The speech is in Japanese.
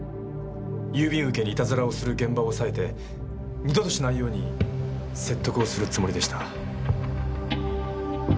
郵便受けにいたずらをする現場を押さえて二度としないように説得をするつもりでした。